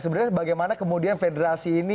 sebenarnya bagaimana kemudian federasi ini